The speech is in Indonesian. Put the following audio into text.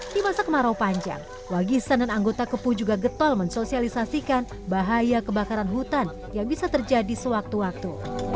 di masa kemarau panjang wagisan dan anggota kepuh juga getol mensosialisasikan bahaya kebakaran hutan yang bisa terjadi sewaktu waktu